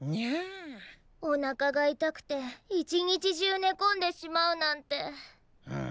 おなかが痛くて一日中ねこんでしまうなんて。ん